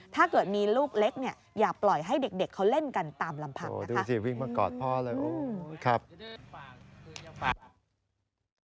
ถ้าเกิดมีลูกเล็กอย่าปล่อยให้เด็กเขาเล่นกันตามลำพัก